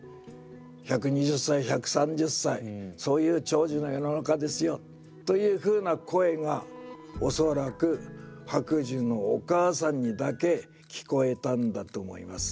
１２０歳１３０歳そういう長寿の世の中ですよというふうな声が恐らく白寿のお母さんにだけ聞こえたんだと思います。